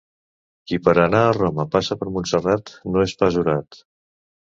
Qui per anar a Roma passa per Montserrat no és pas orat.